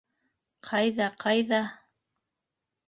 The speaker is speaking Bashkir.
Ҡайҙа, ҡайҙа...